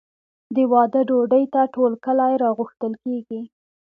د واده ډوډۍ ته ټول کلی راغوښتل کیږي.